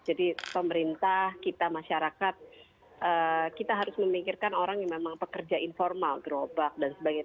jadi pemerintah kita masyarakat kita harus memikirkan orang yang memang pekerja informal gerobak dan sebagainya